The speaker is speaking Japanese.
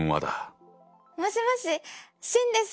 もしもし秦です！